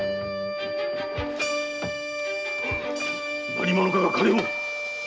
何者かが金を！